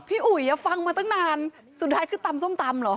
อุ๋ยฟังมาตั้งนานสุดท้ายคือตำส้มตำเหรอ